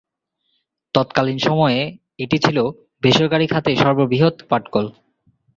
তৎকালীন সময়ে এটি ছিল বেসরকারি খাতে দেশের সর্ববৃহৎ পাটকল।